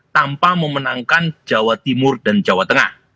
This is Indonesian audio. tanpa memenangkan jawa timur dan jawa tengah